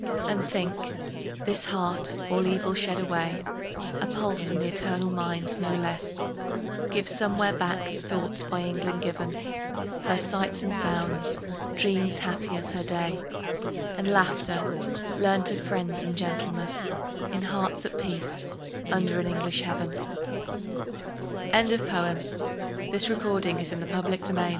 And think, this heart, all evil shed away, A pulse in the eternal mind, no less Gives somewhere back the thoughts by England given; Her sights and sounds; dreams happy as her day; And laughter, learnt of friends; and gentleness, In hearts at peace, under an English heaven. The Treasure When colour goes home into the eyes, And l